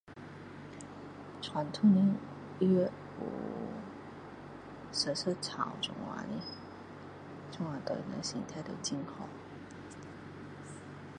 传统的药有蛇舍草这样的这样对人的身体都很好